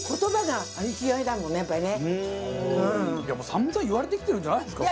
散々言われてきてるんじゃないんですか？